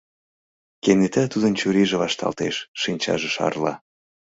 Кенета тудын чурийже вашталтеш, шинчаже шарла.